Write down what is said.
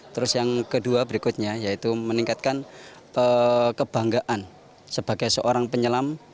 terus yang kedua berikutnya yaitu meningkatkan kebanggaan sebagai seorang penyelam